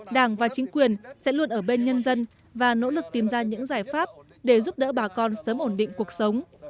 đảng và chính quyền sẽ luôn ở bên nhân dân và nỗ lực tìm ra những giải pháp để giúp đỡ bà con sớm ổn định cuộc sống